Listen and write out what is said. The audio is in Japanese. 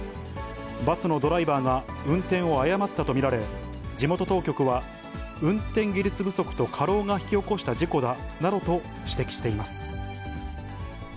バスのドライバーが運転を誤ったと見られ、地元当局は、運転技術不足と過労が引き起こした事故だなどと指摘しています。